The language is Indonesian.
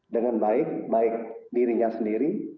dengan baik baik dirinya sendiri